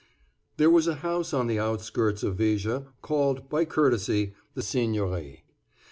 THERE was a house on the outskirts of Viger called, by courtesy, the Seigniory.